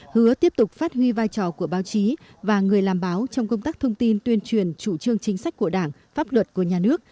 hứa tiếp tục phát huy vai trò của báo chí và người làm báo trong công tác thông tin tuyên truyền chủ trương chính sách của đảng pháp luật của nhà nước